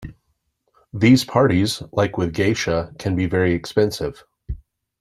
These parties, like with geisha, can be very expensive.